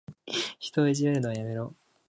人をいじめるのはやめろ。